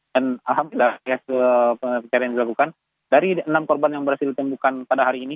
dan alhamdulillah dari enam korban yang berhasil ditemukan pada hari ini